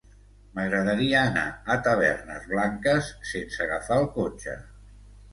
M'agradaria anar a Tavernes Blanques sense agafar el cotxe.